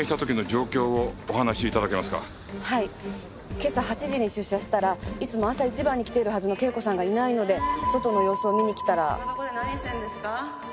今朝８時に出社したらいつも朝一番に来ているはずの圭子さんがいないので外の様子を見に来たら。そんな所で何してるんですか？